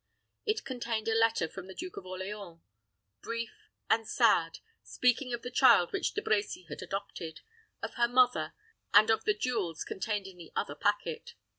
It contained a letter from the Duke of Orleans, brief and sad, speaking of the child which De Brecy had adopted, of her mother, and of the jewels contained in the other packet.